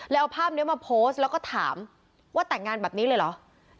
แล้วเอาภาพนี้มาโพสต์แล้วก็ถามว่าแต่งงานแบบนี้เลยเหรอ